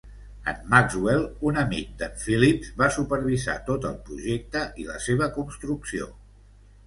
En Maxwell, un amic d'en Phillips, va supervisar tot el projecte i la seva construcció.